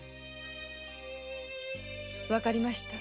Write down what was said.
わかりました。